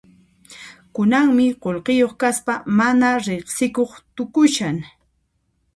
Kunanmi qullqiyuq kaspa mana riqsikuq tukushan.